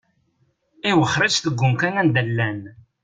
Iwexxer-itt deg umkan anda llan.